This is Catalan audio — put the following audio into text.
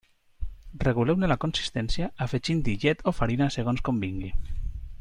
Reguleu-ne la consistència afegint-hi llet o farina segons convingui.